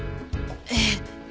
ええ。